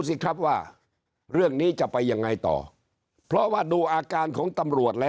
สิครับว่าเรื่องนี้จะไปยังไงต่อเพราะว่าดูอาการของตำรวจแล้ว